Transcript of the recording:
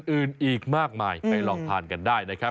อื่นอีกมากมายไปลองทานกันได้นะครับ